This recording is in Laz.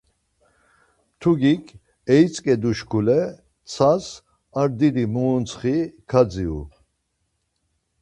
Mtugik etzitzǩedu şkule ntsas ar didi muruntsxi kadziru.